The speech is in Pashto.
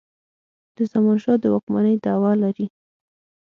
د زمانشاه د واکمنی دعوه لري.